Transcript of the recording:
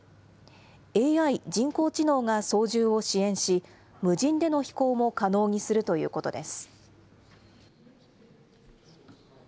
ＡＩ・人工知能が操縦を支援し、無人での飛行も可能にするということです。